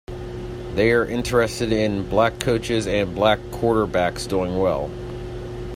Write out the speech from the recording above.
They're interested in black coaches and black quarterbacks doing well.